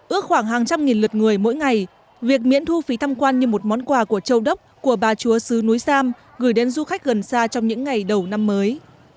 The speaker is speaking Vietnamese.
ước khoảng hàng trăm nghìn lượt người mỗi ngày việc miễn thu phí tham quan như một món quà của châu đốc của bà chúa sứ núi sam gửi đến du khách gần xa trong những ngày đầu năm mới